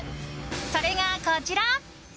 それが、こちら。